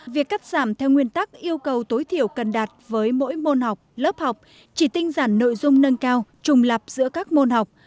việc cắt giảm theo nguyên tắc yêu cầu tối thiểu cần đạt với mỗi môn học lớp học chỉ tinh giản nội dung nâng cao trùng lập giữa các môn học